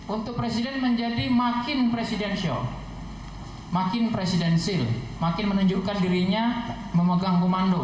untuk presiden menjadi makin presidensial makin presidensil makin menunjukkan dirinya memegang komando